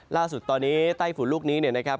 ล่าสุดตอนนี้ไต้ฝุ่นลูกนี้เนี่ยนะครับ